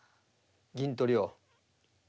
銀取りを。